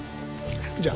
じゃあ。